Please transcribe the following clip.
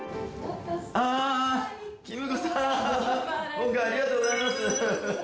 今回ありがとうございます。